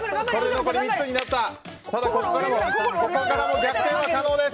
ここからも逆転は可能です。